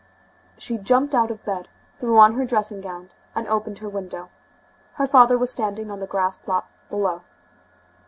She jumped out of bed, threw on her dressing gown, and opened her window. Her father was standing on the grass plot below.